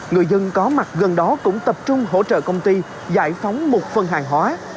người dân có mặt gần đó cũng tập trung hỗ trợ công ty giải phóng một phần hàng hóa